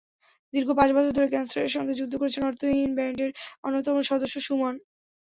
দীর্ঘ পাঁচ বছর ধরে ক্যানসারের সঙ্গে যুদ্ধ করছেন অর্থহীন ব্যান্ডের অন্যতম সদস্য সুমন।